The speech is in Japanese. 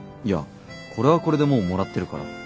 いやこれはこれでもうもらってるから。